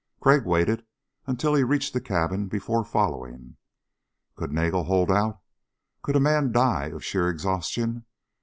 Crag waited until he reached the cabin before following. Could Nagel hold out? Could a man die of sheer exhaustion?